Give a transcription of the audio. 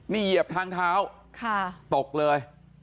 นี่เหยียบทางเท้าตกเลย